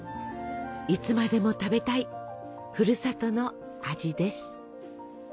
いつまでも食べたいふるさとの味です。